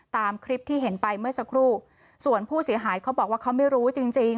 ตามคลิปที่เห็นไปเมื่อสักครู่ส่วนผู้เสียหายเขาบอกว่าเขาไม่รู้จริงจริง